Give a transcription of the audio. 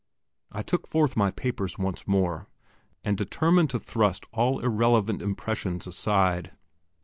I took forth my papers once more, and determined to thrust all irrelevant impressions aside.